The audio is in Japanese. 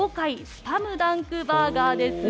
スパムダンクバーガー。